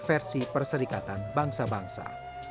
versi perserikatan bangsa bangsa